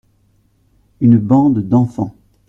Une bande d’enfants.